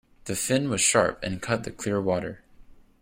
The fin was sharp and cut the clear water.